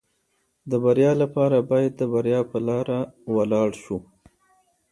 د بریا لپاره باید د بریا په لاره ولاړ شو.